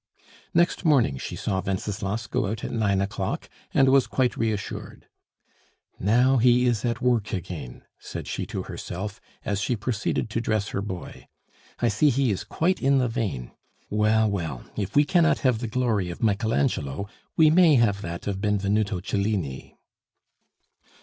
Next morning she saw Wenceslas go out at nine o'clock, and was quite reassured. "Now he is at work again," said she to herself, as she proceeded to dress her boy. "I see he is quite in the vein! Well, well, if we cannot have the glory of Michael Angelo, we may have that of Benvenuto Cellini!"